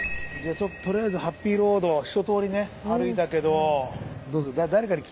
とりあえずハッピーロードは一とおりね歩いたけど。